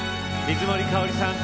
水森かおりさん